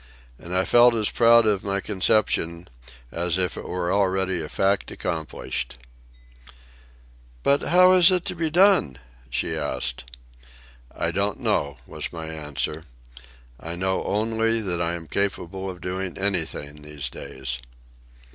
And I felt as proud of my conception as if it were already a fact accomplished. "But how is it possible to be done?" she asked. "I don't know," was my answer. "I know only that I am capable of doing anything these days."